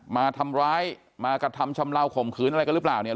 มาทำร้ายมากระทำชำลาวข่มขืนอะไรกันหรือเปล่าเนี่ย